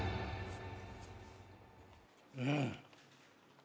うん。